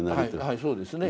はいそうですね。